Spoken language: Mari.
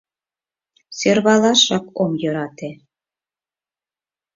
— Сӧрвалашак ом йӧрате.